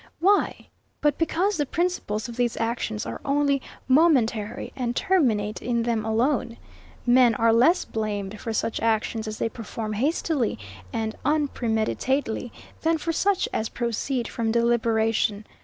Why? but because the principles of these actions are only momentary, and terminate in them alone. Men are less blamed for such actions as they perform hastily and unpremeditately than for such as proceed from deliberation.